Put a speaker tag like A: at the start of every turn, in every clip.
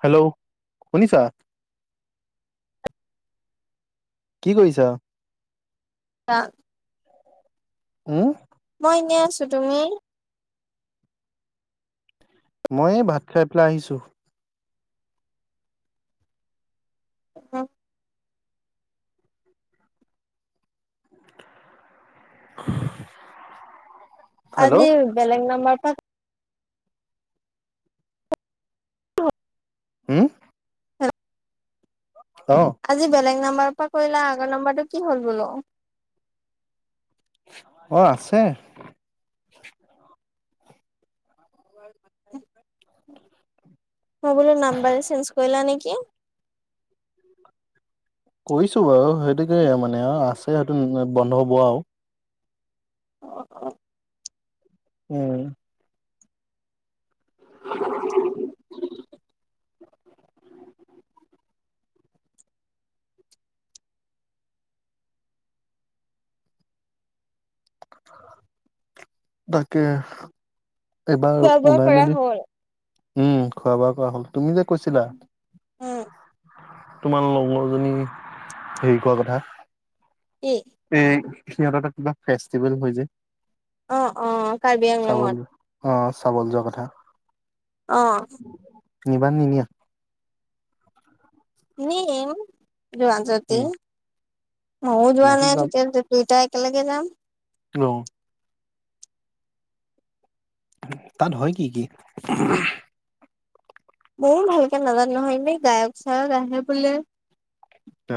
A: Hello শুনিছা? কি কৰিছা?
B: কা
A: উহ।
B: মই এনেই আছো। তুমি?
A: মই এই ভাত খাই পেলাই আহিছো।
B: [unintelligible]
A: [inaudible] [inaudible]
B: আজি বেলেগ নাম্বাৰ পা-
A: হম?
B: হেল্ল
A: অ।
B: আজি বেলেগ নাম্বাৰৰ পৰা কৰিলা আগৰ নম্বৰটো কি হ'ল বোলো?
A: অ আছে। [unintelligible]
B: মই বোলো নাম্বাৰ চেঞ্জ কৰিলা নেকি?
A: কৰিছো বাৰু সেইটোকে মানে আছে সেইটো বন্ধ হব আও।
B: অ অ।
A: উম। [inaudible] তাকে এবাৰ
B: খোৱা বোৱা
A: ওলাই
B: কৰা
A: মেলি
B: হ'ল
A: উম খোৱা বোৱা কৰা হ'ল। তুমি যে কৈছিলা
B: উম
A: তোমাৰ লগৰ জনী হেৰি কোৱা কথা।
B: কি?
A: এ সিহঁতৰ এটা কিবা ফেষ্টিভেল হয় যে
B: অ অ কাৰ্বি আংলঙত
A: চাবলে। অ চাবলে যোৱা কথা।
B: অ।
A: নিবানে নিনিয়া?
B: নিম যোৱা যদি,
A: উম
B: মইয়ো যোৱা
A: মইতো
B: নাই
A: যাম
B: তেতিয়া তিত- দুইটাই একেলগে যাম।
A: গঅ। তাত হয় কি কি?
B: মইয়ো ভালকে নাজানো নহয়, এনেই গায়ক চায়ক আহে বোলে।
A: তা।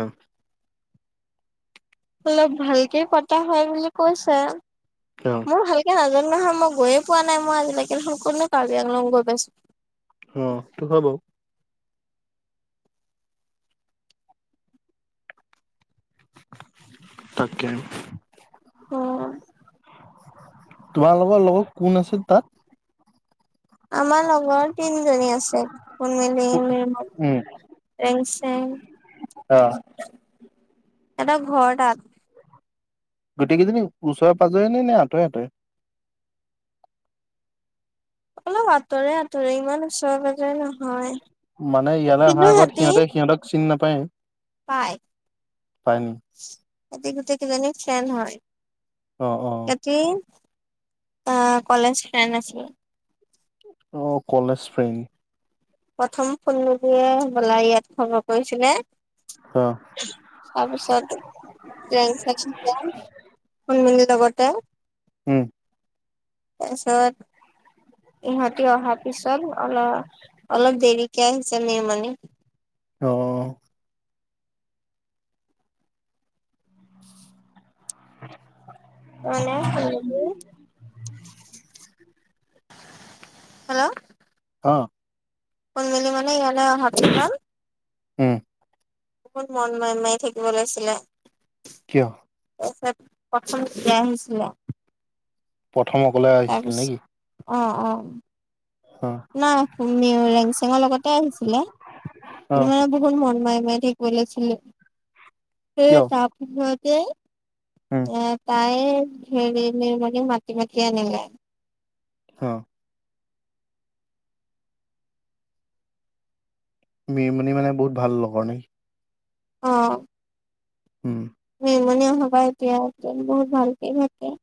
B: অলপ ভালকে পতা হয় বুলি কৈছে।
A: অ
B: মোৰ ভাল কে নাজানো নহয় মই গৈ পোৱা নাই মই আজিলেকে সকলো কাৰ্বি আংলং গৈ পাইছ-
A: অ সেইটো হয় বাও। তাকে।
B: অহ।
A: তোমালোকৰ লগ কোন আছিল তাত?
B: আমাৰ লগৰ তিনিজনী আছে। ঊন মেলিং হে সত,
A: উম,
B: ৰেংছেং
A: অ।
B: সেত ঘৰ তাত।
A: গোটেই কেইজনী ওচৰে পাঁজৰে নে, নে আঁতৰে আঁতৰে?
B: অলপ আঁতৰে আঁতৰে ইমান ওচৰে পাজৰে নহয়।
A: মানে ইয়ালৈ অহা
B: কিন্তু
A: আগত
B: সিহঁতি
A: সিহঁতে সিহঁতক চিনি নাপায়।
B: পায়।
A: পায় নি?
B: সিহঁতি গোটেইকেইজনী ফ্ৰেণ্ড হয়।
A: অ অ
B: সিহঁতি আ কলেজ ফ্ৰেণ্ড আছিল।
A: অ কলেজ ফ্ৰেণ্ড।
B: প্ৰথম শুনমোলিয়ে হবলা ইয়াত খবৰ কৰিছিলে।
A: অ।
B: তাৰপিছতে ৰেংছেঙে শুনমনি লগতে
A: হোহ।
B: তাৰপিছত, ইহতি অহাৰ পিছত অল- অলপ দেৰিকে আহিছে মেহ মানে।
A: অ। [inaudible]
B: মানে শুনমোলি, হেল্ল'।
A: অ।
B: শুনমেলি মানে ইয়ালে পিছল
A: উম।
B: বহুত মন মাৰি মাৰি থাকিব লৈছিলে।
A: কিয়?
B: পেছেব প্ৰথম তে আহিছিলে।
A: প্ৰথম অকলে আহিছিল
B: তাৰপিছত
A: নেকি?
B: অ অ।
A: আহ।
B: নাই ৰেংচেঙৰ লগতে আহিছিলে
A: অ
B: কি মানে ব- হুন মন মাই মাই থাকিব লৈছিলে, সেই
A: কিয়?
B: তাৰপিছতেই
A: উম
B: এ তাই হেৰি নি মেলি মাতি মাতি আনিলে।
A: অ। মিৰমণি মানে বহুত ভাল লগৰ নেকি?
B: অ।
A: উহ।
B: নিৰ্মালি অহা পা এতিয়া বহুত ভালকে ভাত খাই।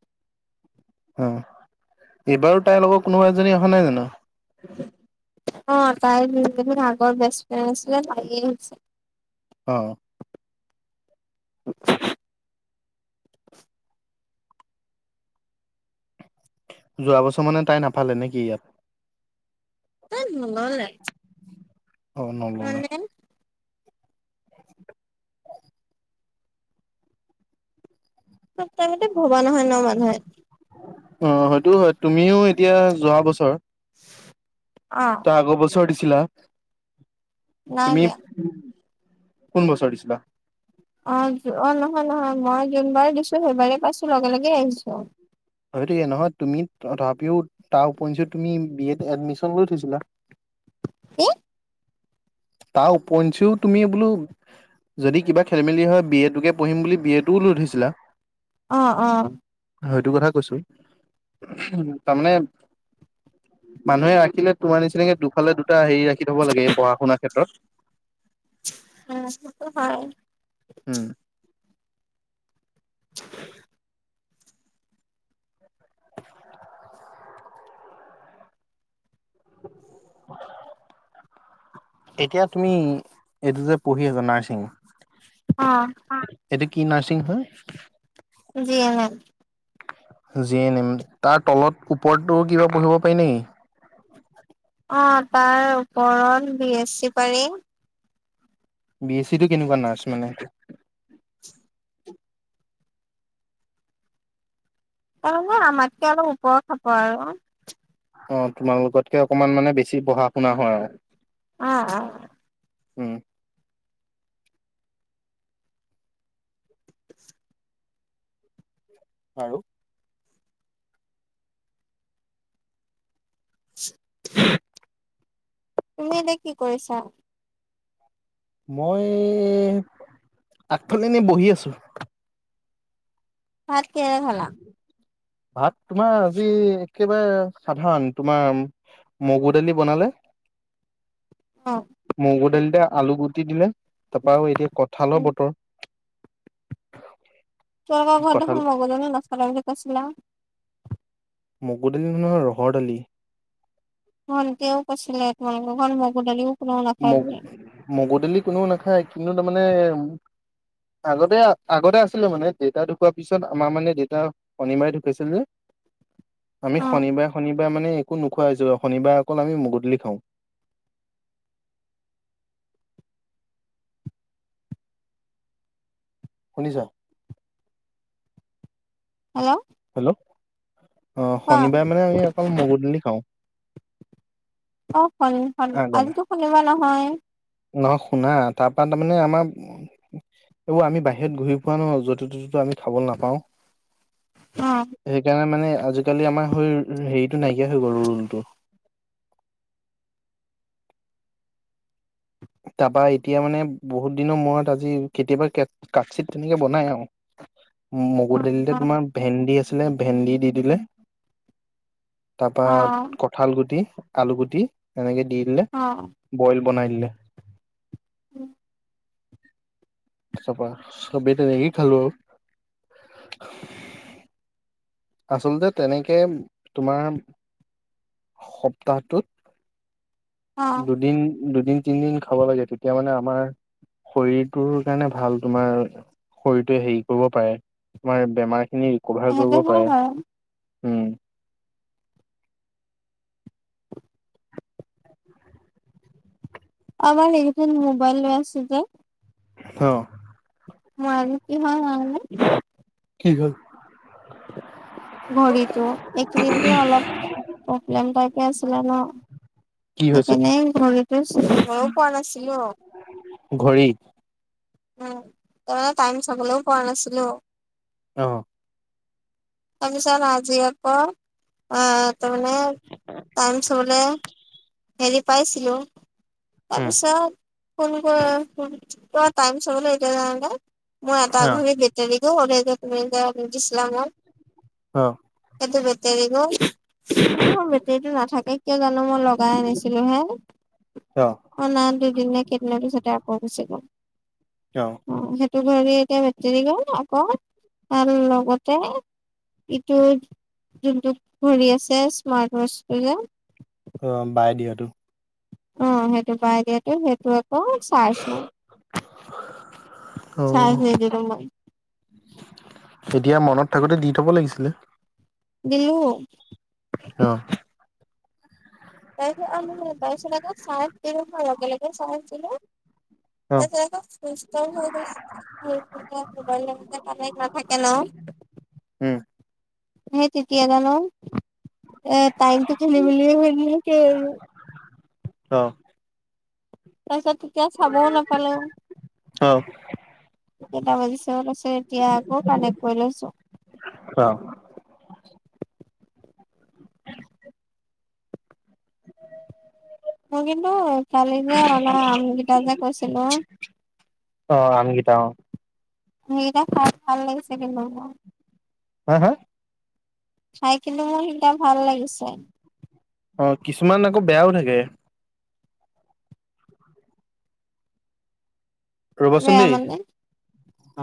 A: অ এইবাৰো তাইৰ লগত কোনোবা এজনী অহা নাই জানো?
B: অ তাইৰোৰ আগৰ বেষ্ট ফ্ৰেণ্ড আছিলে তায়ে আহিছে।
A: অ।
B: [inaudible]
A: যোৱা বছৰ মানে তাই নাপালে নেকি ইয়াত?
B: তাত নললে।
A: অ, নললে।
B: মানে চব টাইমতে ভবা নহয় ন' মানুহে।
A: অ, হেইটোওঁ হয় তুমিও এতিয়া যোৱা বছৰ
B: অ
A: তাৰ আগৰ বছৰ দিছিলা?
B: নাই
A: তুমি
B: দিয়া
A: কোন বছৰ দিছিলা?
B: অ', অ', নহয় -নহয় মই যোনবাৰে দিছো সেইবাৰেই পাইছোঁ লগে -লগেই আহিছোঁ।
A: হয়টো ইয়ে নহয় তুমি তথাপিও তাৰ উপঞ্চি তুমি বি এড এডমিচন লৈ থৈছিলা? [inaudible]
B: কি?
A: তা উপঞ্চিও তুমি বোলো যদি কিবা খেলি মেলি হয় বি এ টোকে পঢ়িম বুলি বি এ টোও লৈ থৈছিলা?
B: অ', অ',
A: সইটো কথা কৈছো তাৰমানে মানুহে ৰাখিলে তোমাৰ নিচিনাকে দুফালে দুটা হেৰি ৰাখি থব লাগে এই পঢ়া- শুনা ক্ষেত্ৰত। [inaudible]
B: অ, সেইটো হয়।
A: উম,
B: [unintelligible]
A: [inaudible] এতিয়া তুমি এইটো যে পঢ়ি আছা নাৰ্ছিং?
B: অ',
A: [unintelligible] এইটো কি নাৰ্ছিং হয়?
B: G N name.
A: G N M তাৰ তলত ওপৰততো কিবা পঢ়িব পাৰি নি?
B: অ, তাৰ ওপৰত বি এছ চি পাৰি।
A: বি এছ চি টো কেনেকুৱা নাৰ্ছ মানে?
B: তাৰমানে আমাতকে অলপ ওপৰ হ'ব আৰু।
A: অ, তোমালোকতকে অকনমান মানে বেছি পঢ়া- শুনা হোৱা আৰু।
B: আ', আ',
A: উম, আৰু?
B: [unintelligible] তুমি এতিয়া কি কৰিছা?
A: মই আগফালে এনে বহি আছোঁ।
B: ভাত কিহেৰে খালা?
A: ভাত তোমাৰ আজি একেবাৰে সাধাৰণ তোমাৰ মগু দালি বনালে।
B: অ',
A: মগু দালিতে আলুগুটি দিলে তাৰপা আৰু এতিয়া কঁঠালৰ
B: উম
A: বতৰ
B: তোমালোকৰ ঘৰত
A: কঁঠাল
B: দেখোন মগুদালি ন'চলে বুলি কৈছিলা?
A: মগু দালি নহয় ৰহৰ দালি।
B: ভণ্টিও কৈছিলে তোমালোকৰ ঘৰত মগুদালিও
A: মগ- মগুদালি কোনেও নাখায় কিন্তু তাৰমানে উম আগতে -আগতে আছিলোঁ মানে দেতা ঢুকোৱাৰ পিছত আমাৰ মানে দেতা শনিমাই ঢুকাইছিল যে আমি
B: অ
A: শনিবাৰ -শনিবাৰ মানে একো নোখোৱা হৈছোঁ ৰহ শনিবাৰ অকল আমি মুগুদালি খাওঁ। শুনিছ?
B: হেল্ল',
A: হেল্ল', অ,
B: কোৱা
A: শনিবাৰে মানে আমি অকল মুগুদালি খাওঁ।
B: অ, শনি-শনি আজিতো শনিবাৰ নহয়?
A: নহ শুনা তাৰপা তাৰমানে আমাৰ এইবোৰ আমি বাহিৰত ঘূৰি ফুৰা ন যতে ততেতো আমি খাবলৈ নাপাও
B: অ
A: সেইকাৰণে মানে আজিকালি আমাৰ হৈ হেৰিটো নাইকিয়া হৈ গ'ল ৰুলটো তাৰপা এতিয়া মানে বহুত দিনৰ মূৰত আজি কেতিয়াবা কেট কাটচিৎ তেনেকে বনাই আৰু মগু দালিতে
B: অ অ
A: তোমাৰ ভেন্দি আছিলে ভেন্দি দি দিলে তাৰপা
B: অ।
A: কঁঠাল গুটি আলু গুটি এনেকে দি দিলে
B: অ',
A: বইল বনাই দিলে
B: উম
A: ত তাপা চবেই তেনেকেই খালো আৰু আচলতে তেনেকে তোমাৰ সপ্তাহটোত
B: অ',
A: দুদিন দুদিন তিনদিন খাব লাগে তেতিয়া মানে আমাৰ শৰীৰটোৰ কাৰণে ভাল তোমাৰ শৰীৰটোৱে হেৰি কৰিব পাৰে তোমাৰ বেমাৰখিনি ৰিকভাৰ
B: সেইটো
A: কৰিব
B: হয় বাৰু।
A: পাৰে
B: আমাৰ এইকেইদিন মোবাইল লৈ আছে যে
A: অ
B: মোৰ আজি কি হ'ল কও নে
A: কি হ'ল
B: ঘড়ীটো এইকেদিনকে অলপ প্ৰব্লেম টাইপে আছিলে ন
A: কি হৈছে
B: সেইকাৰণে ঘড়ীটোও চুবও পোৱা নাছিলো
A: ঘড়ী
B: উম মানে টাইম চাবলৈও পোৱা নাছিলো
A: অ
B: তাৰপিছত আজি আকৌ আহ তাৰ মানে টাইম চাবলে হেৰি পাইছিলো
A: উম
B: তাৰপিছত ফোন কৰ ফোন কত টাইম চাবলৈ এতিয়া যাওঁতে মই এটা
A: অ
B: ঘড়ী বেটাৰীকো হ'লে যে তুমি যে দিছিলা মোক
A: অ
B: সেইটো বেটৰী গ'ল বেটৰীটো নাথাকে। কিয় জানো মই লগাই আনিছিলো হে অ নাই দুদিন নে কেইদিনৰ পিছত আকৌ গুচি গ'ল অ সেইটো ঘড়ী এতিয়া বেটেৰী গ'ল আকৌ তাৰ লগতে ইটো যোনটো ঘড়ী আছে স্মাৰ্ট ৱাছটো যে
A: অ বাই দিয়াতো
B: অ সেইটো বাই দিয়াতো সেইটো আকৌ চাইছো
A: অ
B: চাই থৈ দিলো মই
A: এতিয়া মনত থাকোতে দি থব লাগিছিলে।
B: দিলো।
A: অহ
B: তাৰপিছত আৰু তাৰপিছত আকৌ চাৰ্চ দিলো মই লগে লগে চাৰ্চ দিলো।
A: অ
B: এ যে আকৌ ছুইচ অফ হৈ গৈছে। সেই মোবাইল মোবাইল লগতে কানেক্ট নাথাকে ন।
A: উম
B: সেই তেতিয়া জানো এ টাইমটো খেলি মেলিয়ে হৈ থাকে আৰু।
A: অহ
B: তাৰপিছত তেতিয়া চাবও নাপালো।
A: অ
B: কেইটা বজিছে সেইটো চাই এতিয়া আকৌ কানেক্ট কৰি লৈছো।
A: অ
B: মই কিন্তু কালি যে অনা আমকেইটা যে কৈছিলো
A: অ আমকেইটা অ
B: সেইকেইটা খাই ভাল লাগিছে কিন্তু মোৰ।
A: হা হা?
B: খাই কিন্তু মোৰ সেইটা ভাল লাগিছে।
A: অ কিছুমান আকৌ বেয়াও থাকে। [inaudible] ৰ'বাচোন
B: বেয়া
A: দেই
B: মানে। অ